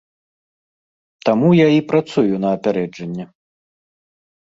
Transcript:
Таму я і працую на апярэджанне.